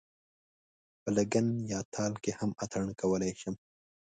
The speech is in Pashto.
په لګن یا تال کې هم اتڼ کولای شم.